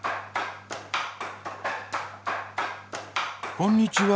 こんにちは。